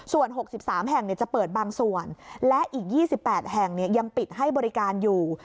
ส่วน๖๓แห่งจะเปิดบางส่วนและอีก๒๘แห่งยังปิดให้บริการอยู่